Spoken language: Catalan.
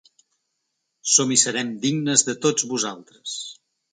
Som i serem dignes de tots vosaltres